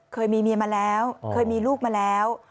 เคยมีเมียมาแล้วเคยมีลูกมาแล้ว